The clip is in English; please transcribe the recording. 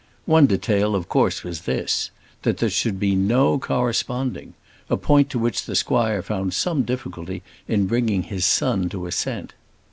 One detail of course was this, that there should be no corresponding; a point to which the squire found some difficulty in bringing his son to assent.